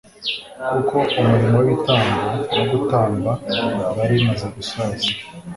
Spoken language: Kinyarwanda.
kuko umurimo w'ibitambo no gutamba byari bimaze gusaza